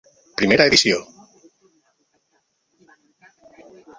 Primera edició.